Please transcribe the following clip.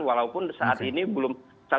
walaupun saat ini belum